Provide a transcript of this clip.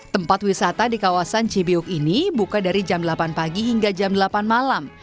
tempat wisata di kawasan cibiuk ini buka dari jam delapan pagi hingga jam delapan malam